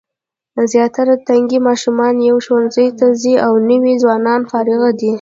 زیاتره تنکي ماشومان یې ښوونځیو ته ځي او نوي ځوانان فارغ دي.